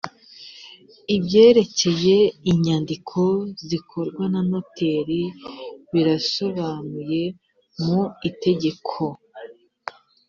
ibyerekeye inyandiko zikorwa na noteri birasobanuye mu itegeko